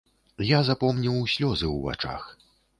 Я запомніў слёзы ў вачах.